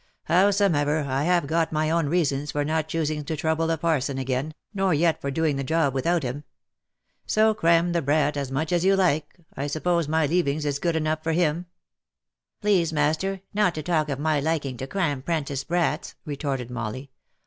Howsomever, I have got my own reasons for not choosing to trouble the parson again, nor yet for doing the job without him. So cram the brat as much as you like — I suppose my leavings is good enough for him V* " Please master not to talk of my liking to cram 'prentice brats," re torted Molly.